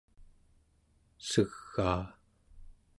segaa